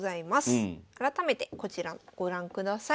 改めてこちらご覧ください。